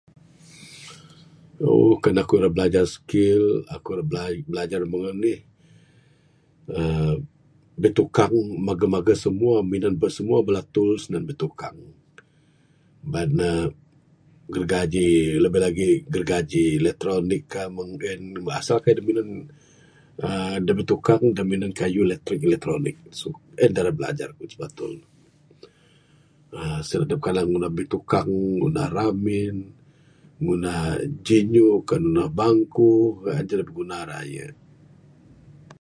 [ooo] Kan aku ira bilajar skills aku ira bilajar mung enih aaa bitukang megeh-megeh semua minan bas bala tools nan bitukang, baik ne gergaji lebih lagi gergaji electronickah mung gren asal keyuh dak minan aaa dak bitukang dak minan keyuh electronic en dak ira bilajar ku sebetul ne. aaa bitukang ngundah remin, ngundah jinjuk, kan ngundah bangku adeh bigunan raye.